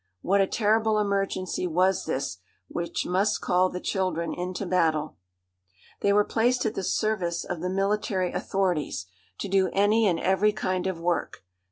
What a terrible emergency was this, which must call the children into battle! They were placed at the service of the military authorities, to do any and every kind of work.